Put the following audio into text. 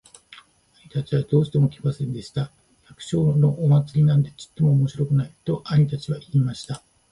兄たちはどうしても来ませんでした。「百姓のお祭なんてちっとも面白くない。」と兄たちは言いました。